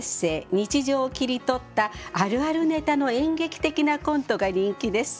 日常を切り取ったあるあるネタの演劇的なコントが人気です。